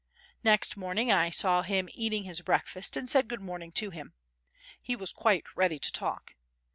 Next morning I saw him eating his breakfast and said "Good morning" to him. He was quite ready to talk.